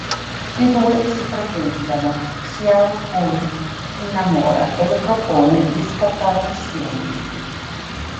I due si frequentano, Xiao Hui si innamora e le propone di scappare insieme.